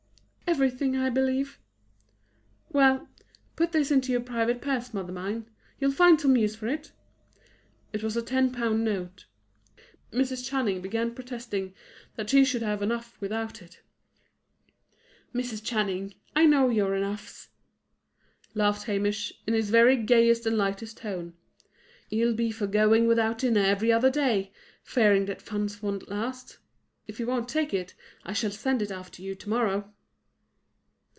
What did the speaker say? "Everything, I believe." "Well put this into your private purse, mother mine. You'll find some use for it." It was a ten pound note. Mrs. Channing began protesting that she should have enough without it. "Mrs. Channing, I know your 'enoughs,'" laughed Hamish, in his very gayest and lightest tone. "You'll be for going without dinner every other day, fearing that funds won't last. If you don't take it, I shall send it after you to morrow."